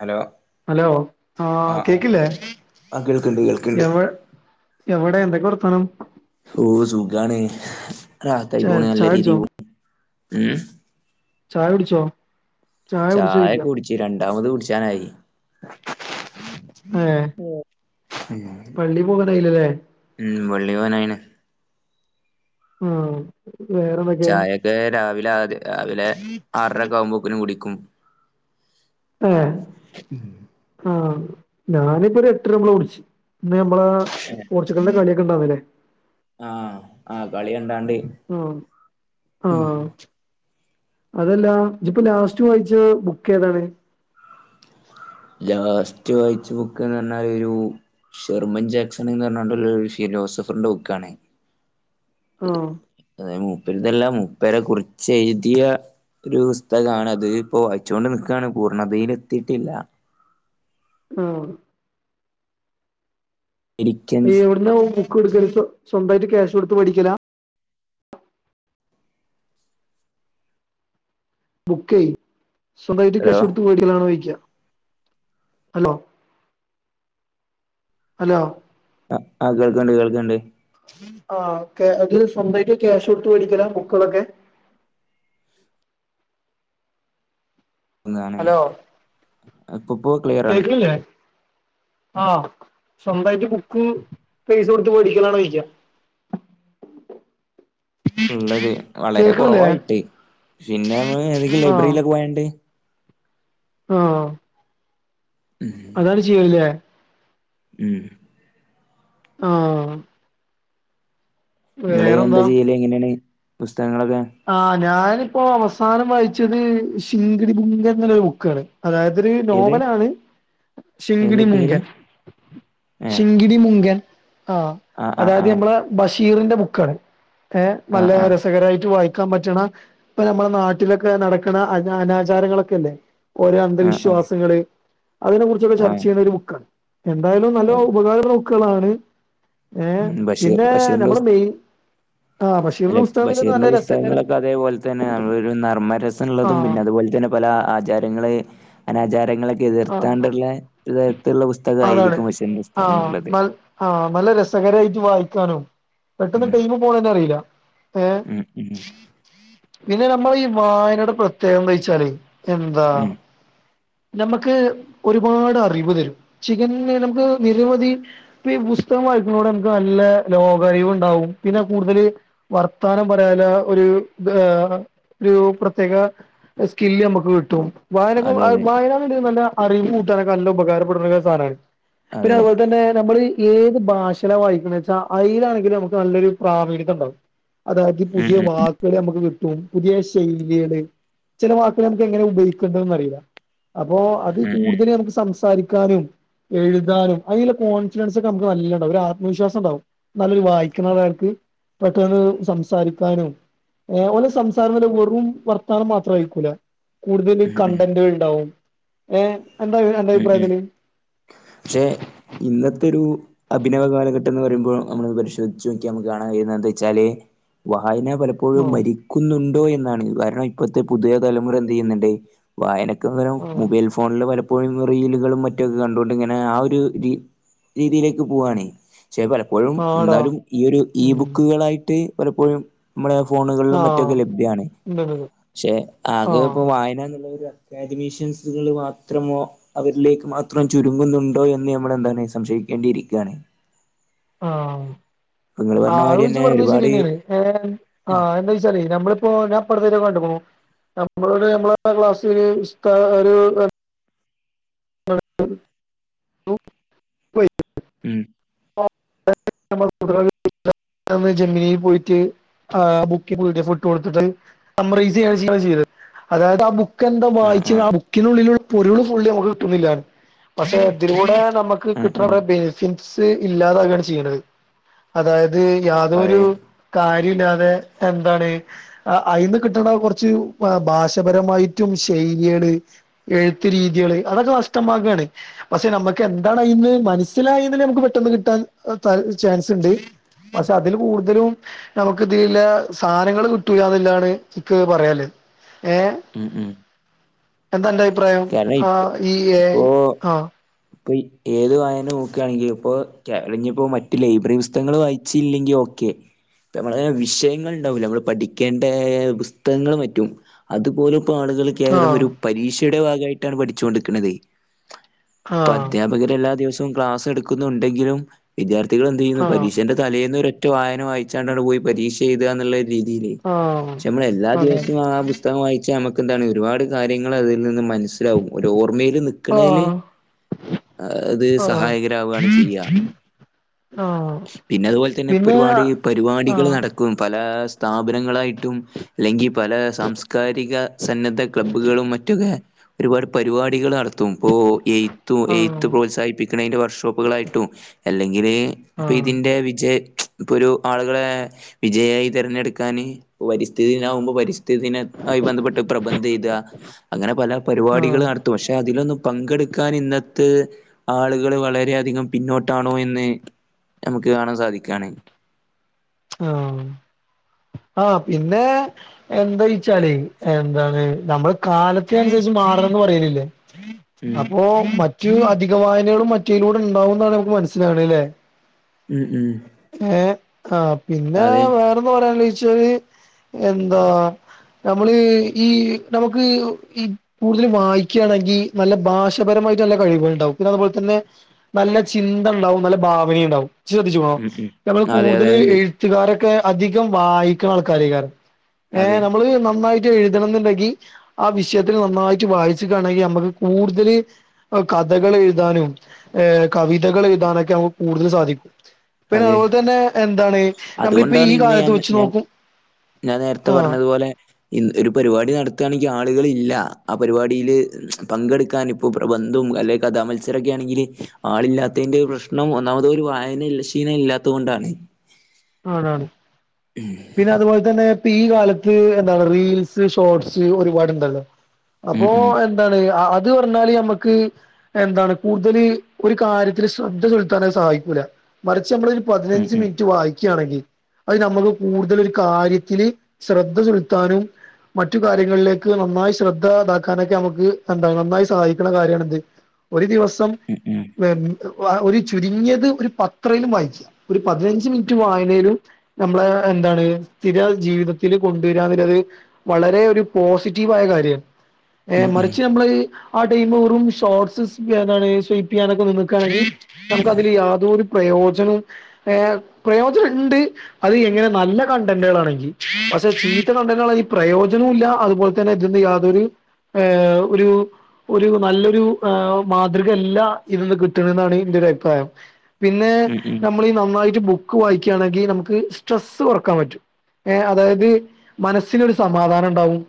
Hello hello ആ കേക്കില്ലേ ആ കേൾക്കണ്ട് കേൾക്കണ്ട് എവെ എവെടെ എന്തൊക്കെ വർത്താനം? ഓ സുഖാണ് റാഹത്തായി ച പോണ് നല്ല ചായ രീതി കുടിച്ചോ പോ ഉം. ചായ കുടിച്ചോ? ചായ കുടിച്ചു രണ്ടാമത് കുടിച്ചാനായി. ഏഹ് പള്ളി പോകാനായിലലേ ഉം പള്ളി പൊനായിണ്. ആഹ് വേറെന്തൊക്കെ ചായയെക്കെ രാവിലെ ആ രാവിലെ ആറരക്കെ ആകുമ്പക്കിനും കുടിക്കും. ഏഹ് ആഹ് ഞാനിപ്പേ ഒരു എട്ടരാവുമ്പളാ കുടിച്ച്. ഇന്ന് നമ്മളാ പോർച്ചുഗൽന്റെ കളിയെക്കെ ണ്ടാവുല്ലേ? ആഹ് ആഹ് കളി കണ്ടാണ്ട് ആഹ് ആഹ് അതല്ലാ ഇജിപ്പോ ലാസ്റ്റ് വായിച്ചാ ബുക്ക് ഏതാണ്? ലാസ്റ്റ് വായിച്ച ബുക്ക് എന്ന് പറഞ്ഞാല് ഒരു ജെർമൻ ജാക്സണ്ന്ന് പറഞ്ഞാണ്ട് ഒരു ലോശ്യൻ ജോസഫർന്റെ ബുക്കാണ്. ആഹ് അതായത് മൂപ്പരിതല്ല മുപ്പര കുറിച്ച് എഴുതിയ ഒരു പുസ്തകാണ് അത് ഇപ്പോ വായിച്ചുകൊണ്ട് നിക്കാണ് പൂർണ്ണതേല് എത്തീട്ടില്ല. ആഹ് അമേരിക്കൻസ് എവ്ട്ന്നാ ഊ ബുക്ക് എടുക്കല് സോ സ്വന്തായിട്ട് ക്യാഷ് കൊടുത്ത് മേടിക്കലാ? ബുക്കേയ് സ്വന്തായിറ്റ് ഹലോ ക്യാശ് കൊടുത്ത് മേടിക്കലാണോ ഓയിക്കാ ഹലോ ഹലോ ആഹ് ആ കേൾക്ക്ണ്ട് കേൾക്ക്ണ്ട്. ആഹ് ഓക്കെ അത് സ്വന്തായിറ്റ് ക്യാഷ് കൊടുത്ത് മേടിക്കലാ ബുക്ക്ളൊക്കെ? ന്നാണ് ഉപ്പുപ്പൂ ക്ലിയ കേക്ക്ണില്ലേ? ആഹ് സ്വന്തായിറ്റ് ബുക്ക് പൈസ കൊടുത്ത് മേടിക്കലാണോയിക്ക. ഉള്ളത് വളരെ കേക്കണില്ലേ കൊറവായിട്ട് പിന്നെ ഞമ്മള് ഏതെങ്കിലും ആഹ് ലൈബ്രയിലൊക്കെ പോയാണ്ട് ആഹ് അതാര് ചെയ്യൂല്ലേ. ഉം ആഹ് നിങ്ങള് എന്താ വേറെന്താ ചെയ്യല് എങ്ങനേണ് പുസ്തകങ്ങളൊക്കെ? ആഹ് ഞാനിപ്പോ അവസാനം വായിച്ചത് ശിങ്കിടി ബുങ്ക് എന്നൊരു ബുക്കാണ്. അതായത് ഒര് ഏത് നോവലാണ് ഏത് ശിങ്കിടി പേര് മുങ്കൻ. ഏ ശിങ്കിടി മുങ്കൻ. ആഹ് ആ ആ അതായത് ആ ആ ഞമ്മളാ ബഷീറിന്റെ ബുക്കാണ് ഏ നല്ല ആ രസകരായിറ്റ് വായി ക്കാൻ പറ്റ്ണ ഇപ്പ ഞമ്മള നാട്ടിലൊക്കെ നടക്ണ അനാ അനാചാരങ്ങള് ഒക്കെയല്ലേ. ഓരോ ആ ആ അന്ധവിശ്വാസങ്ങള് അതിനെ കുറിച്ചൊക്കെ ആ ചർച്ചെയ്യുന്ന ഒരു മുക്കാണ് എന്തായാലും അതെ നല്ലൊംഉപകാരള്ള ബുക്ക്ളാണ് ഏ ബഷീർ പിന്നേ ബഷീറിന്റെ ഞമ്മള മെയ് ആ ബഷീർന്റെ പുസ്തകപിന്നെ നല്ല രസ് തകങ്ങളൊക്കെ അതേപോലെ തന്നെയാണ് ആ വെരുനർമ്മരസള്ളതും പിന്നെ അതുപോലെ തന്നെ പല ആചാരങ്ങള് അനാചാരങ്ങളൊ ആ എതിർത്താണ്ട്ള്ള ഇദരത്തിലുള്ള അതാണ് പുസ്തകായിരിക്കും പഷേനി [unintelligible] ആ ഇഷ്ടം ള്ളത് നൽ ആ നല്ല രസകരായിറ്റ് വായിക്കാനും പെട്ടെന്ന് ഉം ടൈമ് പോണേന്നെ അറീല്ല ഏ എ ഉം ഉം പിന്നെ ഞമ്മളെ ഈ വായനയുടെ പ്രത്യേകത്നെയ്ച്ചാല് എന്താ ഉം ഞമക്ക് ഒരുപാട് അറിവ് തെരും ചികന്നെ നമക്ക് നിരവധി ഇപ്പീ പുസ്തകം വായിക്കുന്നോടെ നമക്ക് നല്ല ലോക അറിവുണ്ടാവും പിന്നെ കൂടുതല് വർത്താനം പറയാല ഒരു ത്അ ആ ഒരു പ്രത്യേക സ്കില്ല് ഞമക്ക് കിട്ടും വായനക്കു അതെ ആ അതെ വായനാണ്ടി നല്ല അറിവൂട്ടാനൊക്കെ നല്ല ഉപകാരപ്പെടുന്ന സാനാണ് പിന്നെ അതെ അവുപോലെ തന്നെ ഞമ്മള് ഏത് ഭാഷയില വായിക്ക്ണേച്ചാ അയിനാണെങ്കിലും ഞമക്ക് നല്ലൊരു പ്രാമീണിതണ്ടാവും അതാക്കി ഉം പുതിയ ഉം വാ ക്കിലേനമുക്ക് കിട്ടും പുതിയ ശൈലികള് ചെല വാക്കുകൾ നമക്ക് എങ്ങനെ ഉപയോഗിക്കെണ്ടെന്നറീല്ല അപ്പോ അത് ഉം ഉം കൂടുതല് ഞമക്ക് സംസാരിക്കാനും എഴുതാനും അയില്ലെ കോൺഫിഡൻസൊക്കെ നമക്ക് നല്ലണ്ടാകും ഒരു ആത്മവിശ്വാസംണ്ടാവും നല്ല് ര് വായിക്ക്ണവര്ക് പെട്ടെന്ന് സംസാരിക്കാനും ഏ ഓല് സംസാരണത് വെറും വർത്താനം മാത്രം ആയിക്കൂലെ കൂടുതല് ഉം ഉം കൺടന്റെൾണ്ടാവും ഏ എന്താരു അന്റെ അഭിപ്രായത്തില് ക്ഷെ ഇന്നത്തെ രൂ അഭിനവ് കാലഘട്ടംന്ന് പറയുമ്പോൾ നമ്മളത് പരിശോധിച്ച് നോക്കിയാൽ നമക്ക് കാണാൻ കഴിയുന്നത് എന്താച്ചാല് വായന പലപ്പോഴും ആഹ് മരിക്കുന്നുണ്ടോ എന്നാണ് ഭരണം ഇപ്പോഴത്തെ പുതിയ തലമുറ എന്തെയ്യുന്ന്ണ്ട് വായനക്ക് പകരം ആഹ് മുബൈൽ ഫോണില് പല പ്പോഴും റീലുകളും മറ്റൊക്കെ കണ്ടോണ്ട് ഇങ്ങനെ ആ ഒര് രീ രീതിയിലേക്ക് പോവാണ്പക്ഷേ പലപ്പോ പ്പോഴും ആടാ ന്നാലും ഈയൊരു ഈ ഉം ബുക്കുകളായിട്ട് പലപ്പോഴും മ്മള ഫോണുകളിലും ആഹ് മറ്റൊക്കെ ഉണ്ട്ണ്ട് ലഭ്യാണ്പക്ഷേ ആകെ ആഹ് ഇപ്പോ വായന എന്ന്ള്ളത് ക്കാദമീഷ്യൻസുകൾ വാ ത്രമോ അവരിലേക്ക് മാത്രം ചുരുങ്ങുന്നുണ്ടോ എന്ന് നമ്മൾ എല്ലാനിം സംശയിക്കേണ്ടിയിരിക്കൃയാണ് ആ നിങ്ങൾ ആ പറഞ്ഞ മാതിരി അവു ജ് തന്നെ പറഞ്ഞത് ഒരുപാട് ശരിയന്നെണ് ഏ ആഎന്തൊച്ചാല് നമ്മളിപ്പോ ഞാ പ്പഅടുത്തേറ്റെ കണ്ടുക്ണു നമ്മള് രു നമ്മളെ അർവാസി സ്ടാ രു അ [inaudible] മ് [inaudible] തമ് ജെമിനിയിൽ പോയിട്ട് ആ ബുക്കി പി ഡി എഫ് ഇട്ട് കൊടുത്തിട്ട് അത് സമ്മറൈസ് ചെയ്യാണ് [unintelligible] ചെയ്തത് അതായത് ആ ബുക്ക് എനികെന്താ ആഹ് വായിച്ചാണ്ട് ആഹ് ആ ബുക്കെന്താ വായിച്ച് ആ ബുക്കിനുള്ളിലുള്ള പൊരുള് ഫുള്ള് നമക്ക് കിട്ടുന്നില്ലാ പക്ഷെ തിലൂടെ നമ്മക് ക് ആഹ് ആഹ് കിട്ട്ണറേ ബെസിംസ് ഇല്ലാതാവാണ്ചെയ്യ്ണത് അതായത് അതെ യാതൊരു കാര്യൊല്ലാതെ എന്താണ് അ അയിന്ന് കിട്ട്ണ കൊറച്ച് ഭഭാഷപരമായിട്ടും ശൈലിയാള് എഴുത്ത് രീതിയാള് അതൊക്കെ നഷ്ടമാകാണ് പക്ഷേ ഞമ്മക്ക് എന്താണ് അയിന്ന് മനസ്സിലായിന്ന് ഞമ്മക്ക് പെട്ടെന്ന് കിട്ടാൻ ചാൻസ്ണ്ട് പക്ഷേ അതില് കൂടുതലും നമ്മക്ക് ഇതില്ല സാനങ്ങൾ കിട്ടൂല്ലാന്ന്ള്ളതാണ് ഇക്ക് പറയാല്ലേ ഏ ഉം ഉം എന്താ അന്റെ അഭിപ്രായം കാരണം ആ ഇപ്പോ ഈ എ ഐ ആഹ് ഇപ്പോ ഏത് വായന നോക്കാണെങ്കിലും ഇപ്പോ കേള മറ്റു ലൈബ്രറി പുസ്തകങ്ങൾ വായി ച്ചില്ലെങ്കി ഓക്കെ ഞമ്മളെ വിഷയങ്ങൾ ണ്ടാവല്ലേ നമ്മൾ പഠിക്കേണ്ടേ പുസ്തകങ്ങള് മറ്റും അതുപോലും ഇപ്പോ ആളുകള് കേവലം ആഹ് ഒരു പരീക്ഷയുടെ ഭാഗായിട്ടാണ് പഠിച്ചൊണ്ട്ക്ക്‌ണത് ഇപ്പോ ആഹ് അധ്യാപകരെല്ലാ ദിവസവും ക്ലാസ് എടുക്കുന്നുണ്ടെങ്കിലും വിദ്യാർത്ഥികളെന്ത് ചെയ്യുന്നു ആഹ് പരീക്ഷന്റെ തലേന്ന് ഒറ്റ വായന വായിച്ചാണ്ടാണ്ട് പോയി പരീക്ഷ എഴുതാന്ന്ള്ള രീതില് ആഹ് പക്ഷേ നമ്മള് എല്ലാ അതെ അതെ ദിവസവും ആ പുസ് തകം വായിച്ചാ നമുക്കിതാണ് ഒരു പാട് കാര്യങ്ങൾ അതിൽ നിന്ന് മനസ്സിലാവും ഒരു ഓർമ്മയിൽ നി ക്ക്ണെല് ആ അത് ആഹ് സഹായകരാവാണ് ചെയ്യ ആഹ് പിന്നെ അതുപോലെത്തെന്നെ പിന്നെ ഇപ്പൊരുപാട് ആഹ് പരിപാടികള് ആഹ് നടക്കും പല സ്ഥാപനങ്ങളായിട്ടും അല്ലെങ്കി പല സംസ് രിക സന്നദ്ധ ക്ലബ്ബുകളും മറ്റൊക്കെ ഒരുപാട് പരിപാടികൾ നട ത്തും പ്പോ എഴ് എഴ്ത്ത് ആഹ് പ്രോത്സാഹിപ്പിക്കണെന്റെ വർഷോപ്പുകളായിട്ടും അല്ലെങ്കില് ഇപ്പോ ആഹ് ഇതിന്റെ വിജയ പ്പൊരു ആളുകളെ വിജയായി തെരഞ്ഞെടുക്കാന് പരിസ്ഥിതി ദിനാകുമ്പോ പരിസ്ഥിതിന ആയി ബന്ധപ്പെട്ട് പ്രബന്ധം എഴുത അങ്ങനെ പല പരിപാടികൾ നട ണ്ട് പക്ഷേ അതിലൊന്നും പങ്കെടുക്കാന് ഇന്നത്ത് ആളുകള് വളരെയധികം പിന്നോട്ടാണോ എന്ന് നമക്ക് കാണാൻ സാധിക്കാണ് ആഹ് ആഹ് പിന്നെ എന്താ ച്ചാലേ എന്താണ് നമ്മള് കാലത്തിനനുസരിച്ച് മാറണന്ന് പറയലില്ലേ ഉം അപ്പോ മറ്റു അധിക വായനകളും മറ്റേലൂടെ ണ്ടാവും ന്നാണ് നമുക്ക് മനസ്സിലാക്ണത് ലെ ഉം ഉം ഏഹ് ആഹ് പിന്നെ അതെ വേറൊന്ന് പറയാൻള്ളേച്ചാല് എന്താ നമ്മള് ഈ നമുക്ക് ഈ കൂടുതല് വായിക്ക്യാണെങ്കി നല്ല ഭാഷപരമായിട്ട് നല്ല കഴിവുകളുണ്ടാവും പിന്നെ അതുപോലെത്തെന്നെ നല്ല ചിന്തണ്ടാവും നല്ല ഭാവനണ്ടാവും ശ്രദ്ധിച്ച്ക്ക്ണോ ഉം ഉം നമ്മള് അതെ അതെ കൂടുതല് എ അത്ണ്ട് ത്ത്കാരൊക്കെ അധികം വായിക്ക്ണാൾക്കാരെക്കാരം ഏ അതെ നമ്മള് നന്നായി ട്ട് എഴുതണംന്ന്ണ്ടെങ്കി ആ വിഷയത്തില് നന്നായിട്ട് വായിച്ച്ക്കാണെങ്കി നമ്മക്ക് കൂടുതല് കഥകൾ എഴുതാനും ഏഹ് കവിതകൾ എഴുതാനൊക്കെ നമുക്ക് കൂടുതൽ സാധിക്കും പിന്നെ അതെ അതുപോൽത്തെന്നെ എന്താണ് നമ്മളിപ്പോ അതുകൊണ്ടാണ് ഈ ഇന്ന് കാലത്ത് ഞാൻ വെച്ച് ഞാൻ നോക്കും ഞാൻ നേരത്തെ ആ പറഞ്ഞത്പോലെ ഇൻ ഒരു പരിപാടി നടത്താണെങ്കില് ആളുകളില്ല ആ പരിപാടില് പങ്കെടുക്കാനും [unintelligible] ത്സരൊക്കെണെങ്കില് ആളില്ലാത്തെന്റൊരു പ്രശ്നം ഒന്നാമത് ഒരു വായനഇല്ലശീനല്ലാത്തോണ്ടാണ് ആണാണ് പിന്നെ അതുപോലെത്തെന്നെപ്പീ കാല ത് എന്താണ് റീൽസ് ഷോട്സ് ഒരുപാട്ണ്ടല്ലോ ഉം അപ്പോ ഉം എന്താണ് ആ ആ ത് പർഞാല് ഞമ്മക്ക് എന്താണ് കൂട്തല് ഒരു കാര്യത്തില് ശ്രദ്ധ ചെലുത്താനത് സഹായിക്കൂല മറിച്ച് ഞമ്മളൊരു ഉം പതിനഞ്ച് ഉം മിനിറ്റ് വായി വിളികാണെങ്കി അത് നമുക്ക് കൂടുതൽ ഒരു കാര്യത്തില് ശ്രദ്ധ ചെലുത്താനും മറ്റു കാര്യങ്ങളിലേക്ക് നന്നായി ശ്രദ്ധ ഇതാക്കാനൊക്കെ നമുക്ക് എന്താ നന്നായി സഹായിക്ക്ണ കാര്യണ്ത് ഒരു ദിവസം ഉം ഉം [unintelligible] ഒരു ചുരുങ്ങിയത് ഒരു പത്രയിലും വായിക്ക് ഒരു പതിനഞ്ച് മിൻ റ്റ് വായനയിലും നമ്മളെ എന്താണ്. സ്ഥിര ജീവിതത്തിൽ. കൊണ്ടുവരാന്ന്ല്ലത്.. വളരെ ഒരു പോസിറ്റീവയ കാര്യം. ഏ ഉം ഉം മറിച്ച് നമ്മളെയി.. ആ, ടൈം വെറും ഷോർട്സ് സ്പ്. സ്വീപ്പ് ചെയ്യാനൊക്കെ നികയാണെങ്കിൽ. നമുക്ക് അതില് യാതൊരു പ്രയോജനം. ഏ പ്രയോജനണ്ട്. അത് എങ്ങനെ നല്ല കണ്ടന്റുകളാ ണെങ്കി. പഷേ ചീത്ത കണ്ടെന്റെനെങ്കി പ്രയോജനൊല്ല. അതുപോൽ തന്നെ ഇതിന്ന്. യാതൊരു. ഹേ. ഹേ ഒരു. ഒരു നല്ലൊരു. ഹ്. ആ. മാതൃകയല്ല ഇതിന്ന് കിട്ടണന്നാണ്. ന്റെരു അഭിപ്രായം. പിന്നെ ഉം ഉം നമ്മളീ നന്നായിട്ട് ബുക്ക് വായിക്യണെങ്കി. നമുക്ക് സ്ട്രെസ്സ് കൊറക്കാൻ പറ്റും.. ഏ. അതായത് മനസ്സിനൊരു. സമാധാനണ്ടാവും.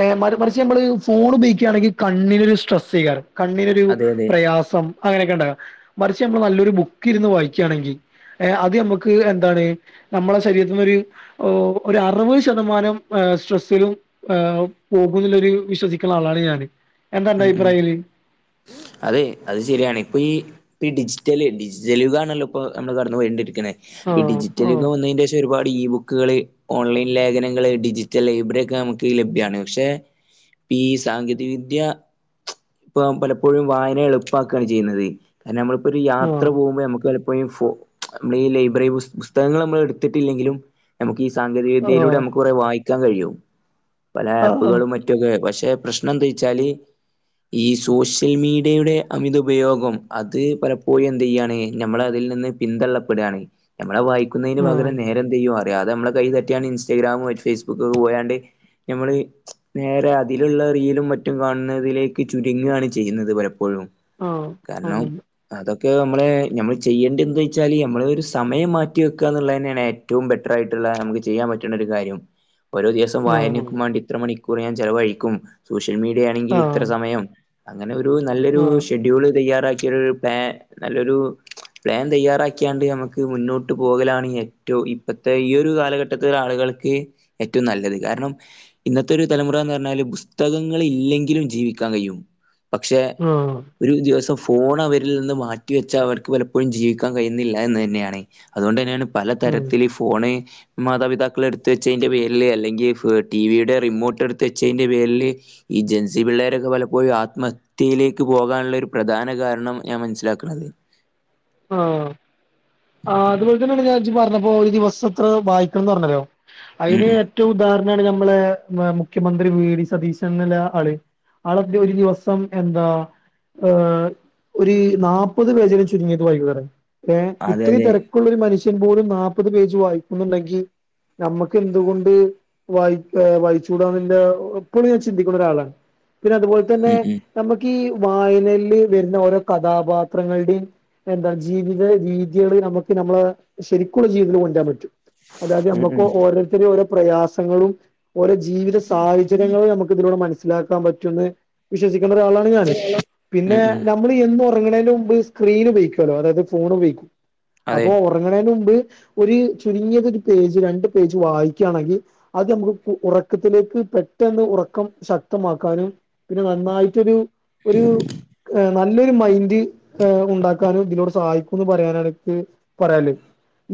ഏ. മറി. മറിച്ച് നമ്മള് ഫോൺ ഉപയോക്യണെങ്കി കണ്ണിനൊരു. സ്ട്രെസ്യ് കാരം. കണ്ണിനൊരു അതെ അതെ പ്രയാസം അങ്ങനെയൊക്കെണ്ടാവ. മറിച്ച് നമ്മൾ നല്ലൊരു ബുക്ക് ര്ന്ന് വായിക്യണെങ്കി.. ഏ. അത് നമ്മുക്ക് എന്താണ് നമ്മളെ ശരീരത്തിനൊരു.. ഓ, ഒരറുവത് ശതമാനം. ഹ്. സ്ട്രെസ്സിലും. ആ്. പോകുന്നുല്ലോരു വിശ്വസിക്ണളാണ് ഞാന്. എന്താന്റെ ഉം ഉം അഭിപ്രായില്.. അതെ. അത് ശെരിയാണ് ഇപ്പ ഈ. പ്പിയി ഡിജിസ്റ്റല്. ഡിജിറ്റൽ യുഗ ആണല്ലോ. ഇപ്പോ നമ്മള് കടന്ന പോയൊണ്ടിരിക്ണെ. ഈ ആഹ് ഡിജിറ്റൽ ആഹ് യുഗംവന്നേയിന്റെഷ്. ഹ് ഒരുപാടി ഈ ബുക്കുകളെ. ഓൺലൈൻ ലേഖനങ്ങളെ. ഡിജിറ്റൽ ലൈബ്രറിക്കെ നമുക്ക് ലഭ്യണ്. പഷേ. പി സാങ്കേതിക വിദ്യ. ഇപ്പൊ പലപ്പോഴും വായന എളുപ്പാക്കാണ് ചെയ്ന്നത്. കാരണം നമ്മള്പ്പോരു യാത്ര ആഹ് പോവുമ്പ നമുക്ക്. ഇപ്പഈഫോ. മ്മളീ ലൈബ്രറി ബുസ് സ്തകങ്ങളമ്മള്ട്ത്തിട്ടില്ലെങ്കിലും.. നമുക്ക് ഈ സാങ്കേതിക വിദ്യയിലൂടെ. നമുക്ക് കൊറെ വായിക്കാ കഴിയും. പല ആഹ് ആഹ് ആപ്പുകളുംമറ്റ്‌ കെ പഷേ. പ്രശ്നന്തെയ്ച്ചാല്. ഈ സോഷ്യൽ മീഡിയയുടെ അമിത ഉപയോഗം. അത് പലപ്പോയുന്ത് യ്യാണ്. നമ്മളതിൽ നിന്ന്. പിന്തള്ളപ്പെടണ്. ഞമ്മളെ വായിക്കുന്നേയിന് ആഹ് പകരം നേരന്തെയ്യുവ. അത് നമ്മെളെ കൈതട്ടിയാണ്ട്. ഇൻസ്റ്റാഗ്രാമും. ഫേസ്ബുക്ക്കെ പോയാണ്ട് നമ്മള്. നേരെ അതിലുള്ള. റീലും മറ്റും കാണ്ന്നതിലേ ക്ക് ചുരുങ്ങിയാണ് ചെയ്യുന്നത് പലപ്പോഴും, ആഹ് കാരണം. അതന്നെ അതൊക്കെ നമ്മളെ നമ്മൾ ചെയ്യേണ്ടൃന്ത് വെച്ചാല് നമ്മളെരു സമയം മാറ്റി വെക്കാ എന്നുള്ളതെന്നെയാണ് ഏറ്റ റ്റവും ബെറ്റ്ർ ആയിട്ടുള്ള നമുക്ക് ചെയ്യാൻ പറ്റ്ണ ഒരു കാര്യം. ഓരോ ദിവസം ആഹ് വായനക്കും വേണ്ടി ഇത്ര മണിക്കൂർ ഞാൻ ചിലവഴിക്കും. സോഷ്യൽ മീഡിയാണെങ്കിൽ. ആഹ് മെയം അങ്ങനെരു നല്ലൊരു ആഹ് ഷെഡ്യൂള് തയ്യാറാക്കിയെരു പ്ളാൻ നല്ലൊരു. പ്ലാൻ തയ്യാറാക്കിയാണ്ട് നമുക്ക് മുന്നോട്ട് പോകലാണ് ഏറ്റവും ഇപ്പത്തെ ഈ ഒരു കാലഘട്ട പ്പത്തെ ആളുകൾക്ക് ഏറ്റവും നല്ലത്, കാരണം. ഇന്നത്തെരു തലമുറാന്ന് പറഞ്ഞാല്. പുസ്തകങ്ങൾ ഇല്ലെങ്കിലും. ജീവിക്കാൻ കഴിയും, പക്ഷെ? ആഹ് ഒരു ദിവസം ഫോണവരിൽ നിന്ന് മാറ്റിവെച്ചാ അവർക്ക് പലപ്പോഴും ജീവിക്കാൻ കഴിയുന്നില്ലാ എന്ന് തന്നെയാണ്. അതുകൊണ്ട് തന്നെയാണ് ഉം പലതരത്തില് ഈ ഫോണ്. മാതാപിതാക്കൾ എട്ത്ത് വെച്ചെതിന്റെ പേര്ല്. അല്ലെങ്കിൽ ടിവിയുടെ റിമോൾട്ട് എട്ത്ത് വച്ചതിന്റെ പേര്ല്. ഇജ്ജ്. ഈ പിള്ളേരൊക്കെ പലപ്പോഴും ആത്മഹത്യയിലേക്ക് പോകാനുള്ള ഒരു പ്രധാന കാരണം ഞാൻ മനസ്സിലാക്ക്ണത്. ആഹ് ആ അതുപോൽതെന്നെണ് ഞാൻ ഇജ് പറഞ്ഞപ്പോ ഒരു ദിവസം ഇത്ര വായിക്കണെന്ന് പറഞ്ഞല്ലോ. ഉം അയിന് ഉം ഏറ്റവും ഉദാഹരനാണ് നമ്മളെ മുഖ്യമന്ത്രി, വി. ഡി. സതീശെൻ ന്ന്ള്ള ആള്. ആളെക്കെ ഒരു ദിവസം എന്താ ഏഹ്, ഒരു നാപ്പത് പേജെങ്കിലും ചുരുങ്ങിയത്. വൈന്നേം. ഏഹ്, അതെ ഇത്രയും അതെ തിരക്കുള്ള ഒരു മനുഷ്യൻ പോലും നാപ്പത് പേജ് വായിക്കുന്നുണ്ടെങ്കിൽ. നമ്മക്ക് എന്തുകൊണ്ട് വായി വായിച്ചുകൂടാന്നുള്ള എപ്പളും ഞാൻ ചിന്തിക്കുന്നെരാളാ. പിന്നതുപോൽതന്നെ ഉം ഉം നമുക്കീ വായനയിൽല് വരുന്ന ഓരോ കഥാപാത്രങ്ങൾടിം. എന്താ ജീവിത രീതിയെള് നമുക്ക് നമ്മള ശെരിക്കുള്ള ജീവിതം കെണ്ടെരാൻ പറ്റും. അതായത് ഉം നമ്മുക്ക് ഉം ഓരോര്ത്തര, ഓരോ പ്രയാസങ്ങളും. ഓരോ ജീവിത സാഹചര്യങ്ങളും നമുക്ക് ഇതിലൂടെ മനസ്സിലാക്കാൻ പറ്റുന്ന്, വിശ്വസിക്കുന്ന ഒരാളാണ്. പ്പ ഞാന് ഉം പിന്നെ ഉം നമ്മള് എന്നും ഉറങ്ങ്ണൈൻ്റെ മുംബ് സ്ക്രീൻ ഉപയോഗിക്കല്ലോ, അതായത് ഫോൺ ഉപയോഗിക്കും. അതെ അപ്പൊ ഉറങ്ങണൈൻ്റെ മുംമ്പ്. ഒര് ചുരുങ്ങിയത് ഒരുപേജ്, രണ്ട്പേജ്, വായിക്കാണെങ്കിൽ. അത് നമുക്ക് ഉറക്കത്തിലേക്ക്, പെട്ടെന്ന് ഉറക്കം ശക്തമാക്കാനും. പിന്നെ നന്നായിട്ടൊരു ഒരു നല്ലൊരു മൈൻഡ് ഉണ്ടാക്കി. താനും ഇതിനോട് സഹായിക്കുന്ന് പറയാനാണ് ക്ക് പറയാള്ളത്.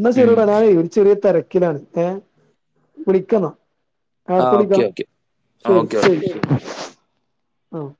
ന്നാ ഉം ശെരൃടാ ഞാനെ ഒരു ചെറിയ തെരക്ക്. ക്കിലാണ്, ഏ.. വിളിക്കന്നാ. ആ ആർക്കുളിക്കാ ഓക്കെ ഓക്കെ ശെരി, ഓക്കെ ശെരി, ഓക്കെ ആഹ്.